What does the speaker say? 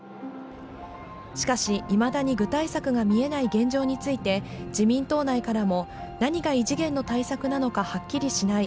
しかし、いまだに具体策が見えない現状について、自民党内からも、何が異次元の対策なのかはっきりしない。